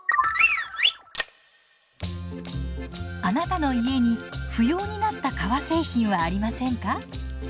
あなたの家に不要になった革製品はありませんか？